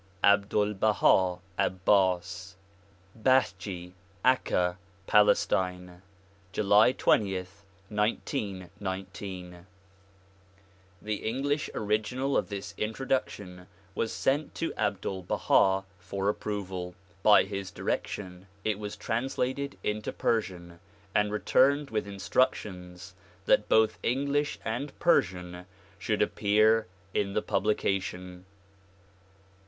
Abdul Baha Abbas. (Bahjeh, Akka, Palestine, July 20, 1919.) [The English original of this Introduction was sent to Abdul Baha for approval. By his direction it was translated into Persian and returned with instructions that both English and Persian should appear in the publication.